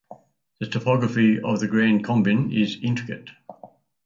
The topography of the Grand Combin is intricate.